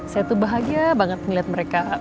saya tuh bahagia banget ngeliat mereka